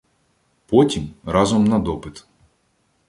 Потім — разом на допит.